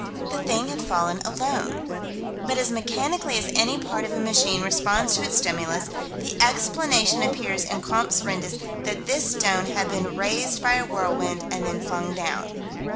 The thing had fallen alone. But as mechanically as any part of a machine responds to its stimulus, the explanation appears in Comptes Rendus that this stone had been raised by a whirlwind and then flung down.